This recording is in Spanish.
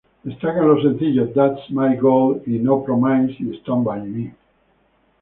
Destacan los sencillos "That's My Goal", "No Promises y Stand by Me.